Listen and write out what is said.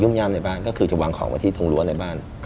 ย่ามในบ้านก็คือจะวางของไว้ที่ตรงรั้วในบ้าน